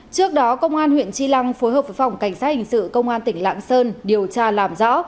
trước đó công an huyện tri lăng phối hợp với phòng cảnh sát hình sự công an tỉnh lạng sơn điều tra làm rõ